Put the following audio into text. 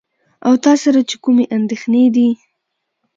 او تاسره چې کومې اندېښنې دي .